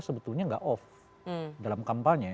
sebetulnya nggak off dalam kampanye